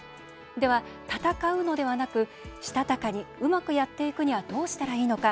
では、闘うのではなくしたたかにうまくやっていくにはどうしたらいいのか。